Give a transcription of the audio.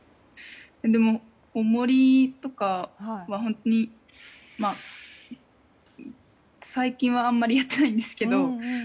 重りとかは本当に最近はあんまりやってないんですけど